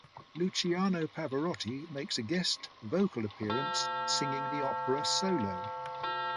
Luciano Pavarotti makes a guest vocal appearance, singing the opera solo.